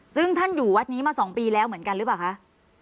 ซึ่งท่านอยู่วัดนี้มา๒ปีแล้วเหมือนกันหรือเปล่าคะ